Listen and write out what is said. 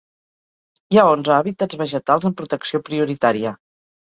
Hi ha onze habitats vegetals amb protecció prioritària.